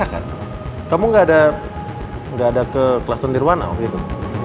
gak ada ke kelaston dirwana oh gitu